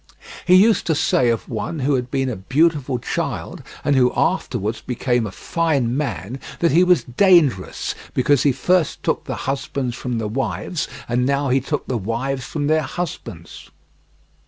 He used to say of one who had been a beautiful child and who afterwards became a fine man, that he was dangerous, because he first took the husbands from the wives and now he took the wives from their husbands.